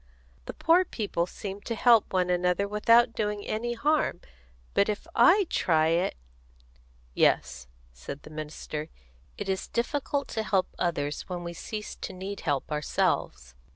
The poor people seem to help one another without doing any harm, but if I try it " "Yes," said the minister, "it is difficult to help others when we cease to need help ourselves.